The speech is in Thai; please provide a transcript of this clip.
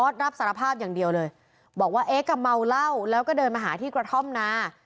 รับสารภาพอย่างเดียวเลยบอกว่าเอ๊กอ่ะเมาเหล้าแล้วก็เดินมาหาที่กระท่อมนา